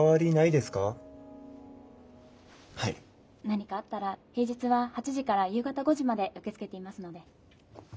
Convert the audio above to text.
何かあったら平日は８時から夕方５時まで受け付けていますので。